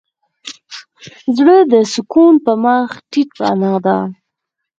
زړه د سکون په مخ تيت رڼا ده.